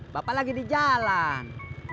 bapak lagi di jalan